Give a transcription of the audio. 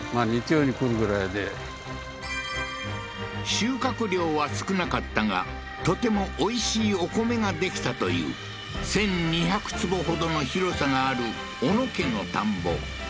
収穫量は少なかったがとてもおいしいお米ができたという１２００坪ほどの広さがある小野家の田んぼ